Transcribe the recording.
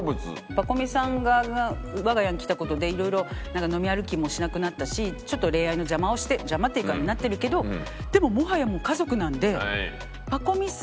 パコ美さんが我が家に来た事でいろいろ飲み歩きもしなくなったしちょっと恋愛の邪魔をして邪魔っていうかなってるけどでももはやもう家族なんで。